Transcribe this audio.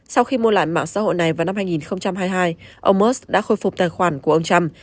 sau khi mua lại mạng xã hội này vào năm hai nghìn hai mươi hai ông musk đã khôi phục tài khoản của ông trump